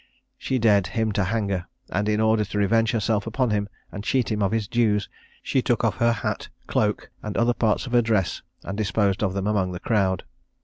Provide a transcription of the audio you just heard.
She dared him to hang her; and in order to revenge herself upon him, and cheat him of his dues, she took off her hat, cloak, and other parts of her dress, and disposed of them among the crowd.